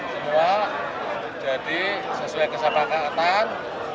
semua jadi sesuai kesepakatan